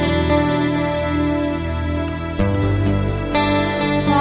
cuma buat kamu